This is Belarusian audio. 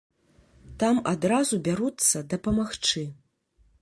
Там адразу бяруцца дапамагчы.